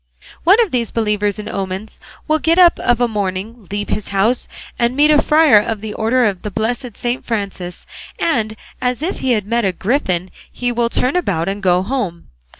One of these believers in omens will get up of a morning, leave his house, and meet a friar of the order of the blessed Saint Francis, and, as if he had met a griffin, he will turn about and go home.